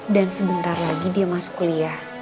dan sebentar lagi dia masuk kuliah